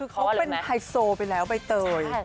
เขาเป็นไฮโซไปแล้วใบเตย